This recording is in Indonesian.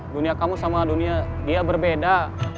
dunia kamu sama dunia dia berbeda